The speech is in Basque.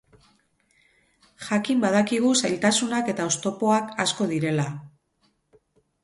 Jakin badakigu zailtasunak eta oztopokoak asko direla.